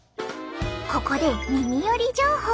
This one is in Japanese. ここで耳より情報。